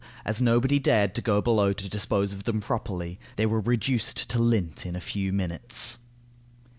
As nobody dared to go below to dispose of them properly, they were reduced to lint in a few minutes.